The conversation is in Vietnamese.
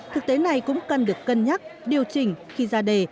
thực tế này cũng cần được cân nhắc điều chỉnh khi ra đề